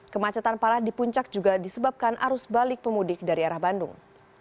kemacetan parah di puncak juga disebabkan arus balik pemudik dari arah bandung